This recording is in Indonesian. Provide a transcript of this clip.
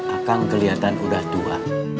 akang kelihatan udah tua